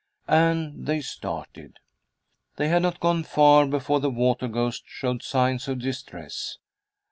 And they started. They had not gone far before the water ghost showed signs of distress.